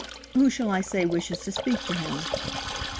Who shall I say wishes to speak to him?...